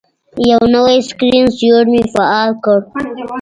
یو نوی سکرین سیور مې فعال کړ.